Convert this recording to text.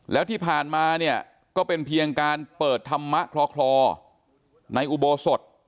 แล้วที่ผ่านมาเนี่ยก็เป็นเพียงการเปิดธรรมะคลอในอุโบสถ